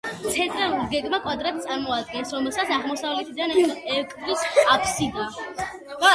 ცენტრალური გეგმა კვადრატს წარმოადგენს, რომელსაც აღმოსავლეთიდან ეკვრის აფსიდა.